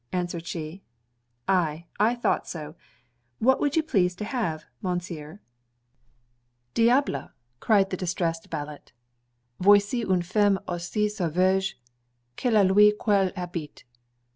answered she 'Aye, I thought so What would you please to have, Mounseer?' 'Diable!' cried the distressed valet; 'voici une femme aussi sauvage que le lieu qu'elle habite.